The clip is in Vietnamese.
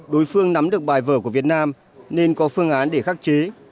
đối phương nắm được bài vở của việt nam nên có phương án để khắc chế